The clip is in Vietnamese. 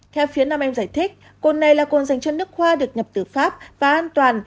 theo phía nam em giải thích cồn này là cồn dành cho nước hoa được nhập từ pháp và an toàn